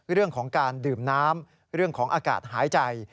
เรื่องของการดื่มน้ำเรื่องของอากาศหายใจ